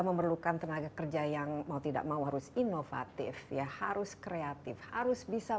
memerlukan tenaga kerja yang mau tidak mau harus inovatif ya harus kreatif harus bisa